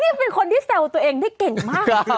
นี่เป็นคนที่แซวตัวเองได้เก่งมาก